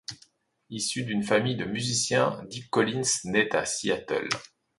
Issu d'une famille de musiciens Dick Collins, naît à Seattle.